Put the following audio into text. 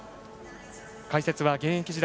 解説は現役時代